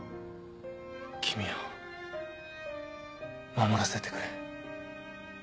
君を守らせてくれ。